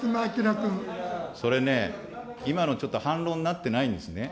それね、今のちょっと反論になってないんですね。